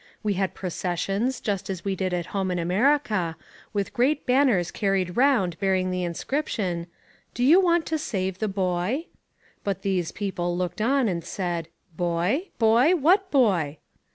We had processions, just as we did at home in America, with great banners carried round bearing the inscription: "Do you want to save the boy?" But these people looked on and said, "Boy? Boy? What boy?"